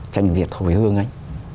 tranh việt hồi hương ấy